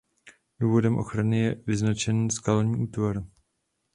Důvodem ochrany je význačný skalní útvar.